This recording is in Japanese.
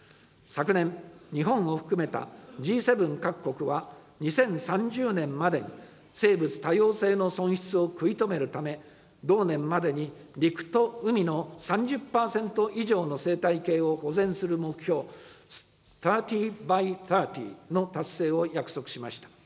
昨年、日本を含めたＧ７各国は、２０３０年までに生物多様性の損失を食い止めるため、同年までに陸と海の３０％以上の生態系を保全する目標、サーティ・バイ・サーティの達成を約束しました。